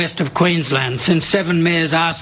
untuk membantu mereka memikirkan